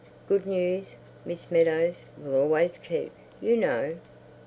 Good news, Miss Meadows, will always keep, you know."